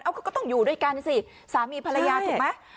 เขาก็ต้องอยู่ด้วยกันสิสามีภรรยาถูกไหม